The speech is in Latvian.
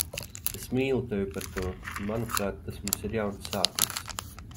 Es mīlu tevi par to un, manuprāt, tas mums ir jauns sākums.